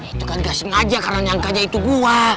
itu kan gak sengaja karena nyangkanya itu gua